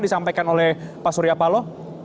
disampaikan oleh pak suryapalo